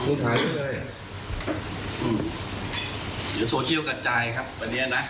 คุณถ่ายไว้เลยอืมเดี๋ยวโซเชียลกัดจ่ายครับวันเดียวน่ะ